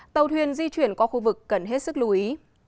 tàu thuyền di chuyển qua khu vực cần hết sức lưu ý